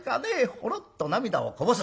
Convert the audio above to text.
ほろっと涙をこぼす。